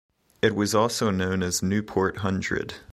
It was also known as Newport hundred.